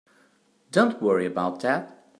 Don't worry about that.